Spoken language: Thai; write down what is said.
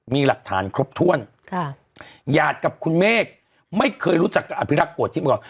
มีหลักฐานครบถ้วนค่ะหยาดกับคุณเมฆไม่เคยรู้จักกับอภิรักษ์โกรธที่เมือง